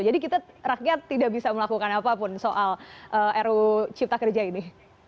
jadi kita rakyat tidak bisa melakukan apapun soal ru cipta kerja ini